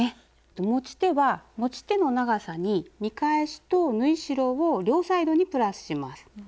持ち手は持ち手の長さに見返しと縫い代を両サイドにプラスします。